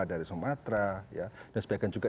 dari sumatera dan sebagian juga